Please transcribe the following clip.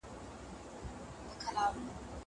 زه اوږده وخت سينه سپين کوم.